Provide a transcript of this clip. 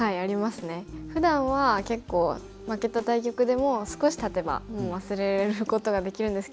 ふだんは結構負けた対局でも少したてばもう忘れることができるんですけど。